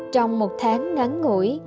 trong một tháng ngắn ngũi